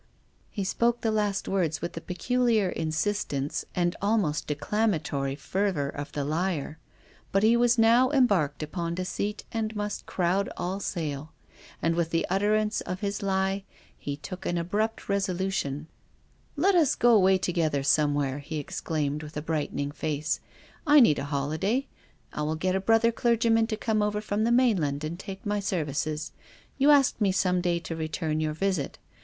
He spoke the last words with the peculiar insis tence and almost declamatory fervour of the liar. But he was now embarked upon deceit and must crowd all sail. And with the utterance of his lie he took an abrupt resolution. " Let us go away together somewhere," he ex claimed, with a brightening face. " I need a holi day. I will get a brother clergyman to come over from the mainland and take my services. You asked me some day to return your visit.